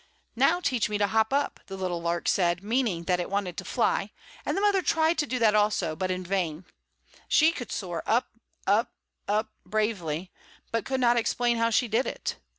"Now teach me to hop up," the little lark said, meaning that it wanted to fly; and the mother tried to do that also, but in vain; she could soar up, up, up bravely, but could not explain how she did it.